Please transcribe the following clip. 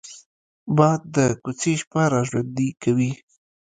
باد د کوڅې شپه را ژوندي کوي